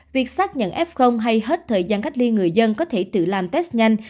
việc xác nhận f hay hết thời gian cách ly người dân có thể tự làm test nhanh